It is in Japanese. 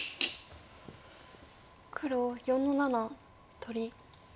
黒４の七取り。